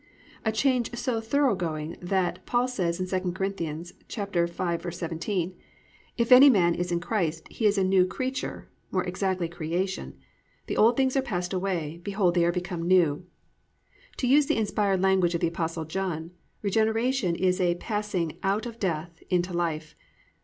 A change so thorough going that Paul says in 2 Cor. 5:17, +"If any man is in Christ, he is a new creature+ (more exactly, Creation): +the old things are passed away; behold they are become new."+ To use the inspired language of the Apostle John, regeneration is a passing "out of death into life."